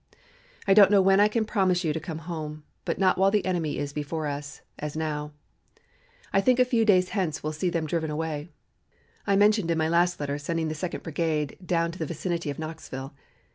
I don't know when I can promise you to come home, but not while the enemy is before us, as now. I think a few days hence will see them driven away. I mentioned in my last letter sending the Second Brigade down to the vicinity of Knoxville.